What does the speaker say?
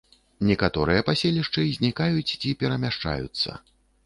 Некаторыя паселішчы знікаюць ці перамяшчаюцца.